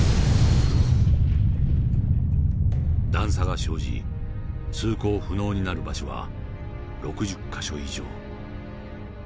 段差が生じ通行不能になる場所は６０か所以上。